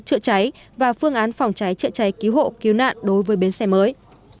trợ cháy và phương án phòng cháy trợ cháy cứu hộ cứu nạn đối với bến xe mới